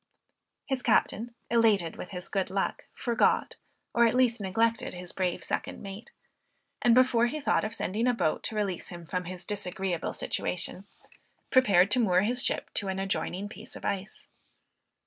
His captain elated with his good luck, forgot, or at least neglected his brave second mate; and before he thought of sending a boat to release him from his disagreeable situation, prepared to moor his ship to an adjoining piece of ice.